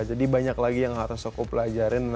jadi banyak lagi yang harus aku pelajarin